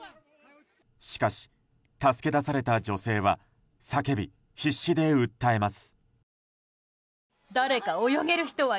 しかし、助け出された女性は叫び、必死で訴えます。